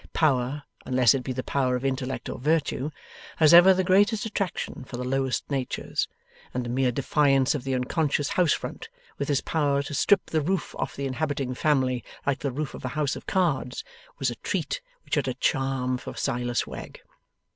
Power (unless it be the power of intellect or virtue) has ever the greatest attraction for the lowest natures; and the mere defiance of the unconscious house front, with his power to strip the roof off the inhabiting family like the roof of a house of cards, was a treat which had a charm for Silas Wegg.